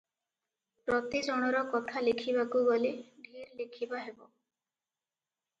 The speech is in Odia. ପ୍ରତି ଜଣର କଥା ଲେଖିବାକୁ ଗଲେ ଢେର ଲେଖିବା ହେବ ।